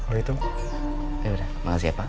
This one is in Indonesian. ya udah makasih ya pak